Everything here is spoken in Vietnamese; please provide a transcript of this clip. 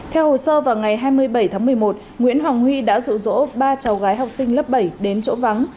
theo hồ sơ vào ngày hai mươi bảy tháng một mươi một nguyễn hoàng huy đã rụ rỗ ba cháu gái học sinh lớp bảy đến chỗ vắng